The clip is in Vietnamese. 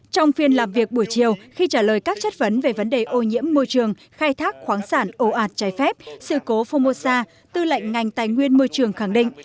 trong phiên làm việc buổi chiều khi trả lời các chất vấn về vấn đề ô nhiễm môi trường khai thác khoáng sản ồ ạt trái phép sự cố phongmosa tư lệnh ngành tài nguyên môi trường khẳng định